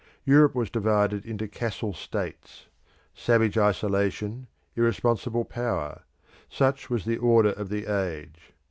Europe was divided into castle states. Savage isolation, irresponsible power: such was the order of the age.